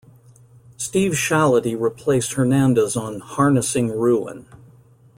Steve Shalaty replaced Hernandez on "Harnessing Ruin".